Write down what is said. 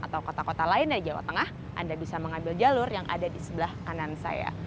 atau kota kota lain dari jawa tengah anda bisa mengambil jalur yang ada di sebelah kanan saya